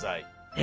え？